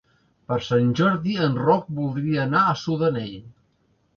Per Sant Jordi en Roc voldria anar a Sudanell.